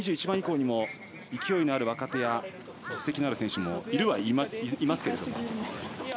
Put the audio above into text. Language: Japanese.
２１番以降にも勢いのある若手や実績ある選手もいますが。